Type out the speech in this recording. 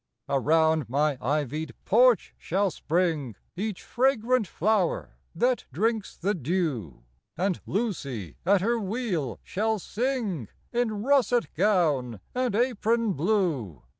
Around my ivy'd porch shall spring Each fragrant flower that drinks the dew; And Lucy, at her wheel, shall sing In russet gown and apron blue.